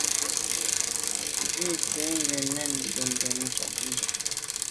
Nzìkû’ cwɛ̌d nja ndèdndèd nùú ntchɔ́k á jáà.